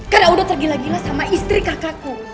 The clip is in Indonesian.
karena udah tergila gila sama istri kakakku